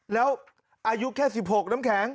แล้วอายุแค่๑๖น้ำแข็ง